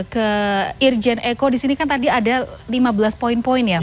ke irjen eko disini kan tadi ada lima belas poin poin ya